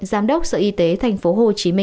giám đốc sở y tế tp hcm